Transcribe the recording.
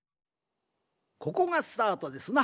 ここがスタートですな。